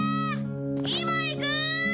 今行く！